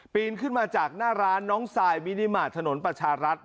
นขึ้นมาจากหน้าร้านน้องซายมินิมาตรถนนประชารัฐ